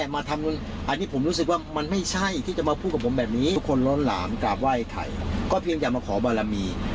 มาสั่งใบจองอันนี้ไม่ใช่